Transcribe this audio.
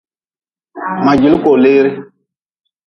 Ma juli koleere.